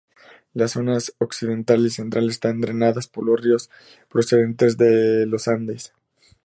Las zonas occidental y central están drenadas por los ríos procedentes de los Andes.